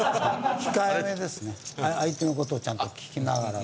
相手の事をちゃんと聴きながら。